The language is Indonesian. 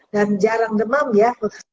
dan jarang demam ya